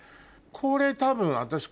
これ多分私。